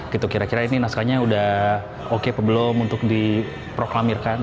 kira kira ini naskahnya udah oke belum untuk diproklamirkan